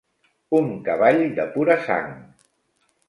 Un cavall de pura sang.